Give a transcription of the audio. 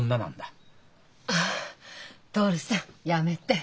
あ徹さんやめて。